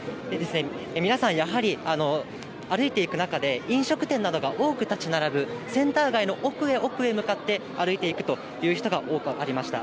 皆さん、やはり歩いていく中で、飲食店などが多く建ち並ぶセンター街の奥へ奥へ向かって歩いていくという人が多くありました。